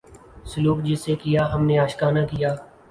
سلوک جس سے کیا ہم نے عاشقانہ کیا